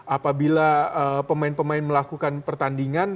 apabila pemain pemain melakukan pertandingan